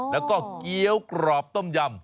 แล้วก็เกี้ยวกรอบต้มยำ